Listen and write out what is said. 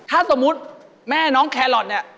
ถ้าสมมุติแม่น้องแครอทเนี่ย